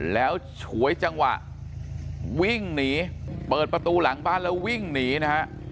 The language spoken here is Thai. แล้วฉวยจังหวะวิ่งหนีเปิดประตูหลังบ้านแล้ววิ่งหนีนะฮะ